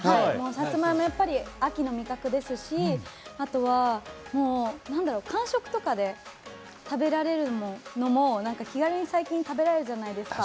サツマイモ、秋の味覚ですし、あとは間食とかで食べられるのも気軽に最近食べられるじゃないですか。